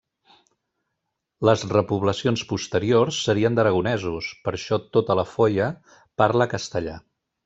Les repoblacions posteriors serien d'aragonesos, per això tota La Foia parla castellà.